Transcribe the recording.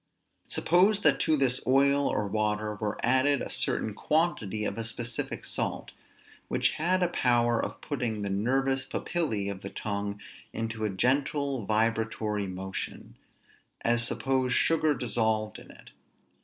Suppose that to this oil or water were added a certain quantity of a specific salt, which had a power of putting the nervous papillæ of the tongue into a gentle vibratory motion; as suppose sugar dissolved in it.